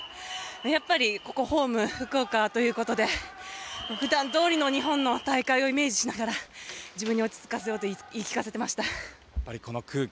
やっぱり、ここホーム福岡ということで普段どおりの日本の大会をイメージしながら自分に落ち着かせようと言い聞かせていました。